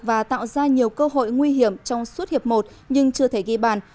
và tạo ra nhiều cơ hội nguy hiểm trong suốt hiệp một nhưng chưa thể ghi bàn